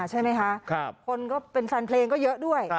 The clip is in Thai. ใช่ไหมคะคนก็เป็นแฟนเพลงก็เยอะด้วย